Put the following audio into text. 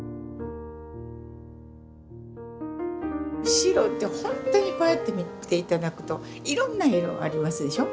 白って本当にこうやって見て頂くといろんな色ありますでしょ。